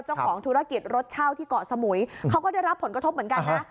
เจ้าของธุรกิจรถเช่าที่เกาะสมุยเขาก็ได้รับผลกระทบเหมือนกันนะ